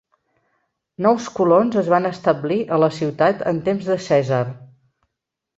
Nous colons es van establir a la ciutat en temps de Cèsar.